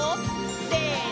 せの！